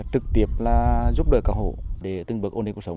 trực tiếp giúp đỡ cả hộ để từng bước ôn định cuộc sống